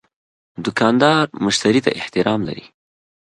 دوکاندار مشتری ته احترام لري.